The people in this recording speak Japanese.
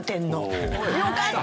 よかった！